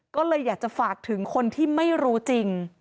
ก็เลยอยากจะฝากถึงคนที่ไม่รู้จริง